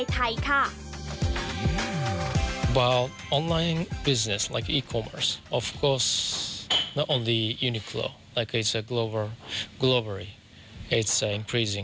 ที่นิยมชอบสินค้าแฟชั่นผ่านช่องทางออนไลน์มากขึ้น